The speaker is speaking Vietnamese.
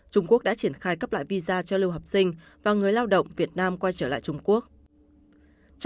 trung quốc đã triển khai cấp loại visa cho lưu học sinh và người lao động việt nam quay trở lại trung quốc